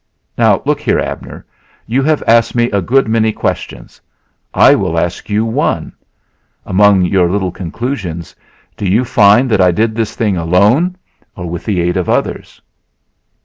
Now, look here, Abner, you have asked me a good many questions. I will ask you one. Among your little conclusions do you find that I did this thing alone or with the aid of others?"